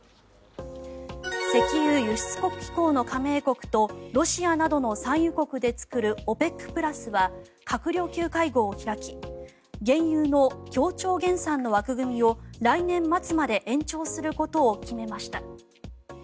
石油輸出国機構の加盟国とロシアなどの産油国で作るＯＰＥＣプラスは閣僚級会合を開き原油の協調減産の枠組みを来年末まで延長することを決めました。